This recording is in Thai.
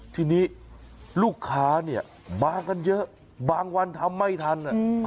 ทีนี้ลูกค้าเนี่ยมากันเยอะบางวันทำไม่ทัน